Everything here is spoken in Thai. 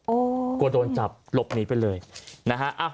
โอ้กลัวโดนจับหลบนี้ไปเลยนะฮะอ่ะ